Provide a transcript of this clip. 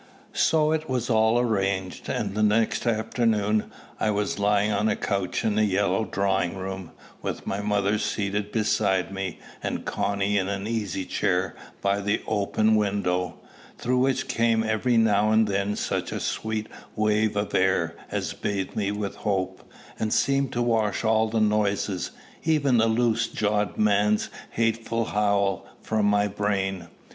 So it was all arranged; and next afternoon I was lying on a couch in the yellow drawing room, with my mother seated beside me, and Connie in an easy chair by the open window, through which came every now and then such a sweet wave of air as bathed me with hope, and seemed to wash all the noises, even the loose jawed man's hateful howl, from my brain.